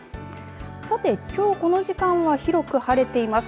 さて、きょうこの時間は広く晴れています。